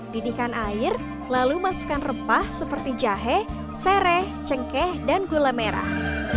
didihkan air lalu masukkan rempah seperti jahe sereh cengkeh dan gula merah